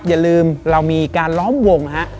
อย่าลืมเรามีการล้อมวงฮะ